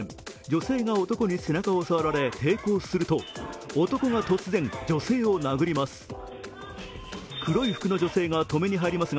女性が男に背中を触られ抵抗すると、男が突然、女性を殴ります。